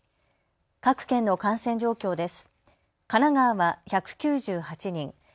各県の感染状況です。